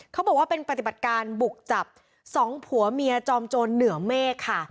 เขาบอกว่าเป็นปฏิบัติการบุกจับสองผัวเมียจอมโจรเหนือเมฆค่ะ